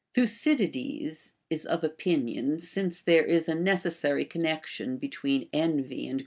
Thu cydides is of opinion, since there is a necessary connection between envy and.